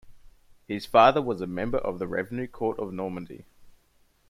His father was a member of the revenue court of Normandy.